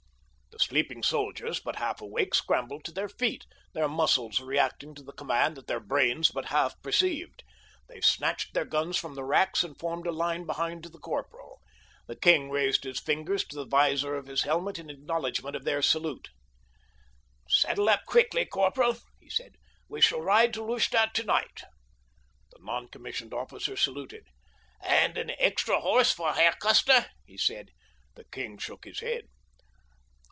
The sleeping soldiers, but half awake, scrambled to their feet, their muscles reacting to the command that their brains but half perceived. They snatched their guns from the racks and formed a line behind the corporal. The king raised his fingers to the vizor of his helmet in acknowledgment of their salute. "Saddle up quietly, corporal," he said. "We shall ride to Lustadt tonight." The non commissioned officer saluted. "And an extra horse for Herr Custer?" he said. The king shook his head.